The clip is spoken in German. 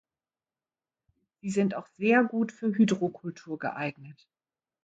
Sie sind auch sehr gut für Hydrokultur geeignet.